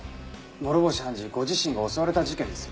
諸星判事ご自身が襲われた事件ですよ？